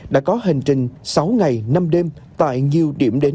đã có hành trình sáu ngày năm đêm tại nhiều điểm đến